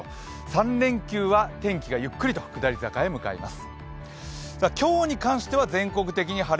３連休は天気はゆっくりと下り坂へ向かいます。